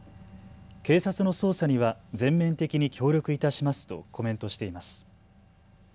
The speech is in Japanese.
警察の捜査には全面的に協力いたしますとコメントしています。